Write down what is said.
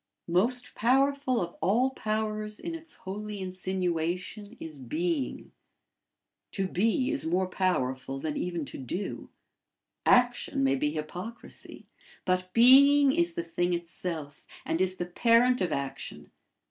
Most powerful of all powers in its holy insinuation is being. To be is more powerful than even to do. Action may be hypocrisy, but being is the thing itself, and is the parent of action.